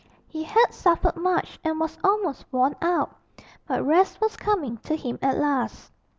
He had suffered much and was almost worn out; but rest was coming to him at last.